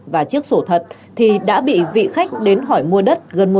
và chưa có thể bán cho ai